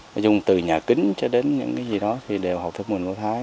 nói chung từ nhà kính cho đến những cái gì đó thì đều học thức môn của thái